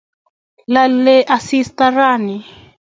lalei asista ranii